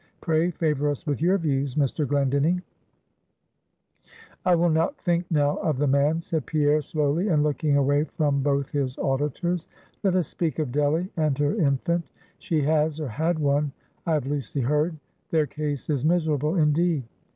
Pray, favor us with your views, Mr. Glendinning?" "I will not think now of the man," said Pierre, slowly, and looking away from both his auditors "let us speak of Delly and her infant she has, or had one, I have loosely heard; their case is miserable indeed."